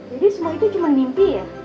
jadi semua itu cuma mimpi ya